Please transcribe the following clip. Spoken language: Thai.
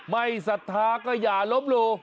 ไม่ศรัทธาก็อย่าลบหลู่